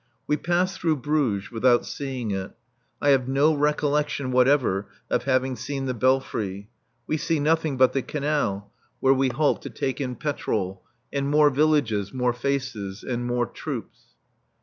We pass through Bruges without seeing it. I have no recollection whatever of having seen the Belfry. We see nothing but the Canal (where we halt to take in petrol) and more villages, more faces. And more troops.